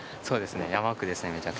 そうですね山奥ですね